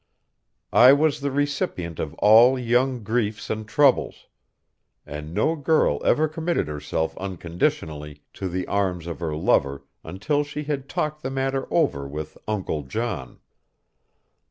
I was the recipient of all young griefs and troubles, and no girl ever committed herself unconditionally to the arms of her lover until she had talked the matter over with Uncle John.